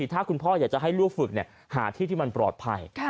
ถ้าคุณพ่ออยากจะให้ลูกฝึกหาที่ที่มันปลอดภัย